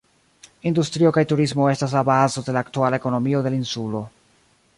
Industrio kaj turismo estas la bazo de la aktuala ekonomio de la insulo.